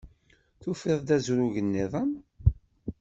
Tufiḍ-d azrug-nniḍen?